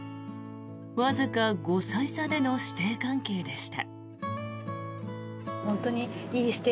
わずか５歳差での師弟関係でした。